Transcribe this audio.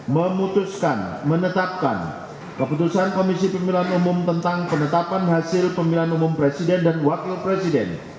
memutuskan menetapkan keputusan komisi pemilihan umum tentang penetapan hasil pemilihan umum presiden dan wakil presiden